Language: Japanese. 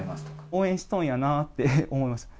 応援しとんやなって思いました。